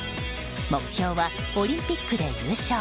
目標は、オリンピックで優勝。